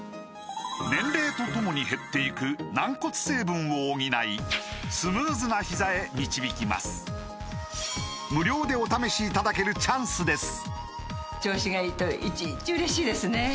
年齢とともに減っていく軟骨成分を補いスムーズなひざへ導きます無料でお試しいただけるチャンスです